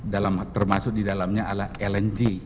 dalam termasuk di dalamnya adalah lng